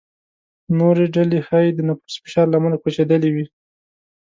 نورې ډلې ښايي د نفوس فشار له امله کوچېدلې وي.